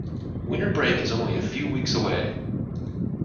Winter break is only a few weeks away!